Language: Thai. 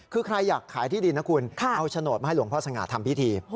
คือใครอยากขายที่ดินนะคุณเอาโฉนดมาให้หลวงพ่อสง่าทำพิธี